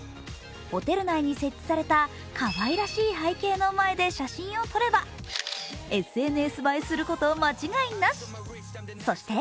ホテル内に設置されたかわいらしい背景の前で写真を撮ればＳＮＳ映えすること間違いなし。